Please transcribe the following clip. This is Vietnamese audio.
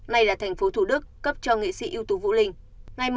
nay là thành phố thủ đức cấp cho nghệ sĩ ưu tú vũ linh